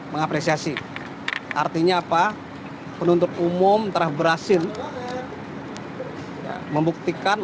mengapresiasi artinya apa penuntut umum telah berhasil membuktikan